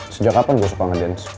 sejak kapan gue suka ngedance